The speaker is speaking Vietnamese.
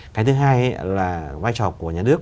cái thứ hai là vai trò của nhà nước